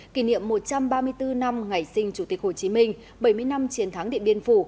kỷ niệm một trăm ba mươi bốn năm ngày sinh chủ tịch hồ chí minh bảy mươi năm chiến thắng điện biên phủ